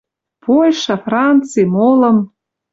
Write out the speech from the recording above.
Польша, Франци — молым